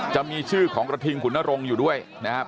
จะมีชื่อของกระทิงขุนนรงค์อยู่ด้วยนะครับ